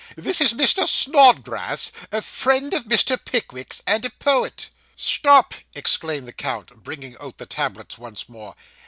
'This is Mr. Snodgrass, a friend of Mr. Pickwick's, and a poet.' 'Stop,' exclaimed the count, bringing out the tablets once more.